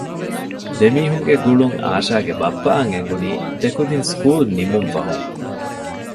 ދެމީހުންގެ ގުޅުން އާޝާގެ ބައްޕައަށް އެނގުނީ ދެކުދިން ސްކޫލް ނިމުން ފަހުން